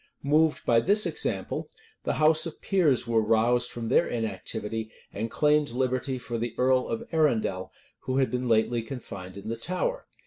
Moved by this example, the house of peers were roused from their inactivity; and claimed liberty for the earl of Arundel, who had been lately confined in the Tower.